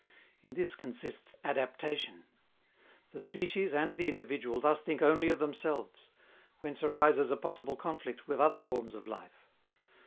In this consists adaptation. The species and the individual thus think only of themselves whence arises a possible conflict with other forms of life.